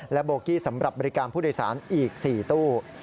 โบกี้สำหรับบริการผู้โดยสารอีก๔ตู้